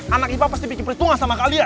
anak ipa pasti bikin perhitungan sama kalian